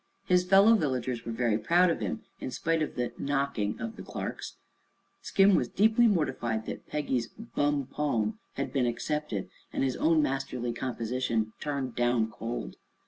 His fellow villagers were very proud of him, in spite of the "knocking" of the Clarks. Skim was deeply mortified that Peggy's "bum pome" had been accepted and his own masterly composition "turned down cold."